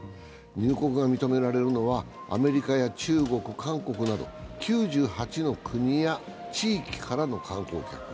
入国が認められるのはアメリカや中国、韓国など９８の国や地域からの観光客。